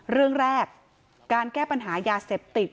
เรื่องแรกการแก้ปัญหายาเสพติด